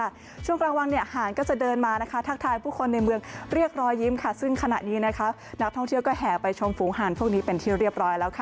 สวัสดีครับ